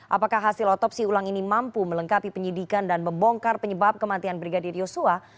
apakah hasil otopsi ulang ini mampu melengkapi penyidikan dan membongkar penyebab kematian brigadir yosua